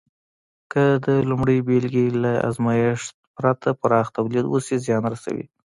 که د لومړۍ بېلګې له ازمېښت پرته پراخ تولید وشي، زیان رسوي.